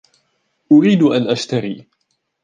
أريد أن أشتري.